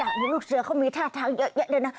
อย่างลูกเสือเขามีท่าทางเยอะเลยนะ